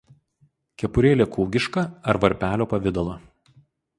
Kepurėlė kūgiška ar varpelio pavidalo.